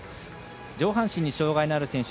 上半身に障がいのある選手。